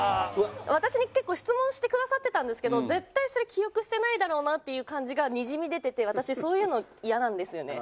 私に結構質問してくださってたんですけど絶対それ記憶してないだろうなっていう感じがにじみ出てて私そういうのイヤなんですよね。